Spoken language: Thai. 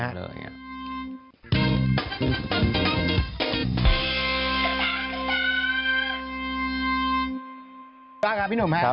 โชท่าครับพี่หนูแนะ